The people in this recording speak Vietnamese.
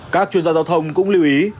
các chuyên gia giao thông cũng lưu ý